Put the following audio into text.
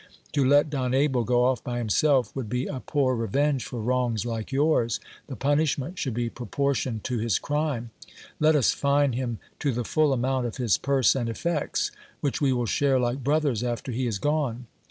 To let Don Abel go off by himself, would be a poor revenge for wrongs like yours ; the punishment should be proportioned to his crime. Let us fine him to the full amount of his purse and effects, which we will share like brothers after he is gone.